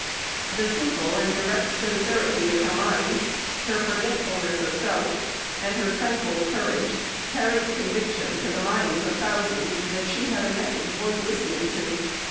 The simple and direct sincerity of her mind, her forgetfulness of self, and her tranquil courage, carried conviction to the minds of thousands that she had a message worth listening to.